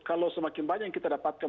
kalau semakin banyak yang kita dapatkan